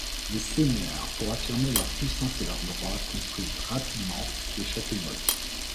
Les seigneurs, pour affirmer leur puissance et leurs droits construisent rapidement des châteaux-mottes.